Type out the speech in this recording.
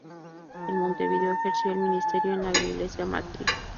En Montevideo ejerció el ministerio en la Iglesia Matriz.